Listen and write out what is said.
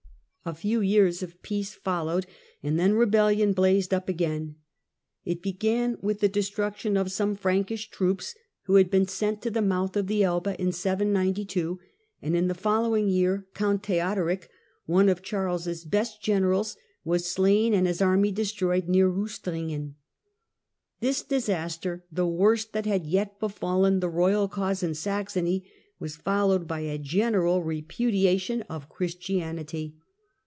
793 A few years of peace followed, and then rebellion blazed up again. It began with the destruction of some Frankish troops who had been sent to the mouth of the Elbe in 792 ; and in the following year Count Theodoric, one of Charles' best generals, was slain and his army destroyed near Rustringen. This disaster, the worst that had yet befallen the royal cause in Saxony, was followed by a general repudiation of Christianity.